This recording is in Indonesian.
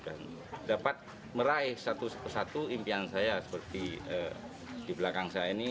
dan dapat meraih satu satu impian saya seperti di belakang saya ini